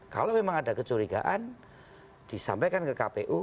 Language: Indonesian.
kalau memang ada kecurigaan disampaikan ke kpu